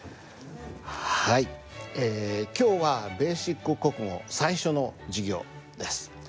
はい今日は「ベーシック国語」最初の授業です。